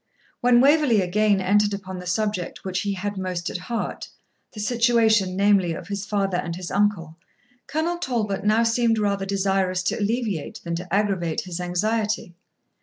When Waverley again entered upon the subject which he had most at heart, the situation, namely, of his father and his uncle, Colonel Talbot seemed now rather desirous to alleviate than to aggravate his anxiety.